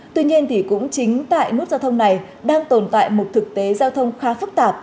tuy nhiên thì cũng chính tại nút giao thông này đang tồn tại một thực tế giao thông khá phức tạp